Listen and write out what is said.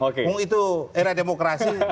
oh itu era demokrasi